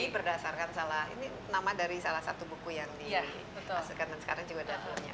ini berdasarkan salah ini nama dari salah satu buku yang dimasukkan dan sekarang juga datanya